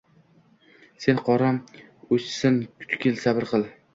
Sen qoram o‘chishin kutgil, sabr qil